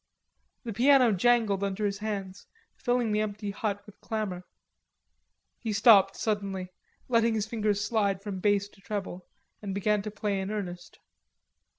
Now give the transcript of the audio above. The piano jangled under his hands, filling the empty hut with clamor. He stopped suddenly, letting his fingers slide from bass to treble, and began to play in earnest.